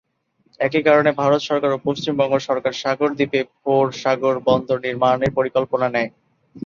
একই কারণে ভারত সরকার ও পশ্চিমবঙ্গ সরকার সাগর দ্বীপে ভোর সাগর বন্দর নির্মানের পরিকল্পনা নেয়।